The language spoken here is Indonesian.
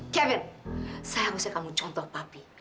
kevin saya harusnya kamu contoh papi